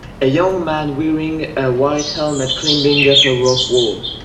a young man wearing a white helmet climbing up a rock wall